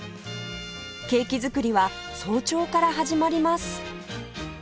ケーキ作りは早朝から始まります